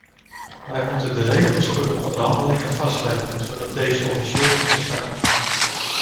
Wij moeten de regels voor de onderhandelingen vastleggen zodat deze officieel kunnen starten.